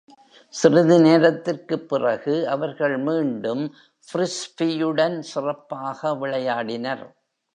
சிறிது நேரத்திற்குப் பிறகு, அவர்கள் மீண்டும் ஃபிரிஸ்பீயுடன் சிறப்பாக விளையாடினர்.